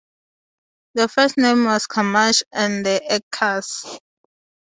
The first name was "Kamash and the Eckers".